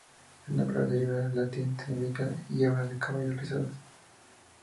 Su nombre deriva del latín y significa ‘hebras de cabello rizadas’.